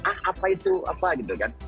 ah apa itu apa gitu kan